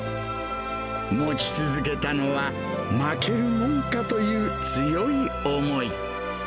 持ち続けたのは、負けるもんかという強い思い。